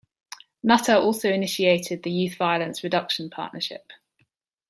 Nutter also initiated the Youth Violence Reduction Partnership.